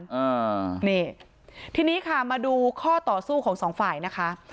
อ่านี่ทีนี้ค่ะมาดูข้อต่อสู้ของสองฝ่ายนะคะ